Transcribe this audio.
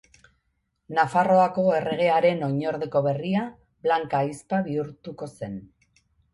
Nafarroako erregearen oinordeko berria Blanka ahizpa bihurtuko zen.